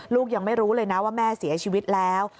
ลูกยังไม่รู้เลยนะว่าแม่เสียชีวิตแล้ว